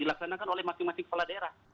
dilaksanakan oleh masing masing kepala daerah